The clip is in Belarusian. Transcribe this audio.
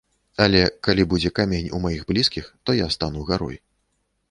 Але калі будзе камень у маіх блізкіх, то я стану гарой.